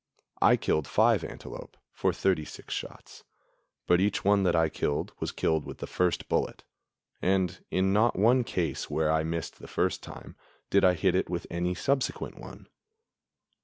I killed five antelope for thirty six shots, but each one that I killed was killed with the first bullet, and in not one case where I missed the first time did I hit with any subsequent one.